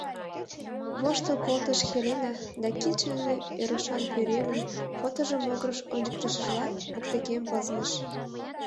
— Воштыл колтыш Хелена да, кидше дене ӧрышан пӧръеҥын фотожо могырыш ончыктышыжла, воктекем пызныш.